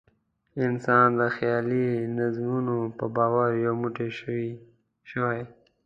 انسان د خیالي نظامونو په باور یو موټی شوی.